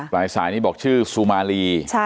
ปลายสายนี่บอกชื่อซูมาลี